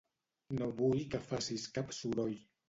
No vull que facis cap soroll.